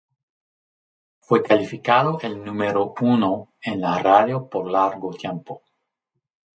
Fue calificado el número uno en la radio por largo tiempo.